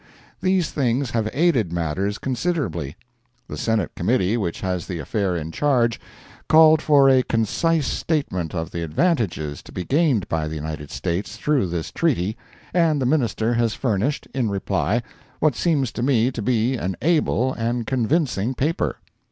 These things have aided matters considerably. The Senate Committee, which has the affair in charge, called for a concise statement of the advantages to be gained by the United States through this treaty, and the Minister has furnished, in reply, what seems to me to be an able and convincing paper.